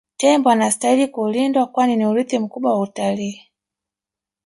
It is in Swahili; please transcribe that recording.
tembo anastahili kulindwa kwani ni urithi mkubwa wa utalii